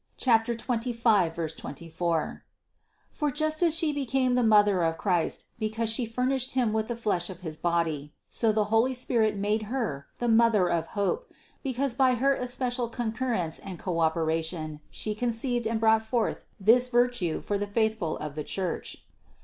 25, 24) ; for just as She became the Mother of Christ because She furnished Him with the flesh of his body, so the holy Spirit made Her the Mother of hope, because by her es pecial concurrence and cooperation She conceived and brought forth this virtue for the faithful of the Church.